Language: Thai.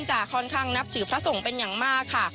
ค่อนข้างนับถือพระสงฆ์เป็นอย่างมากค่ะ